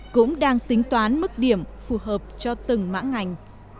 cũng đang tính toán mức điểm phù hợp cho từng mã ngành